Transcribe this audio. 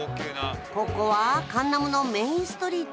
ここはカンナムのメインストリート。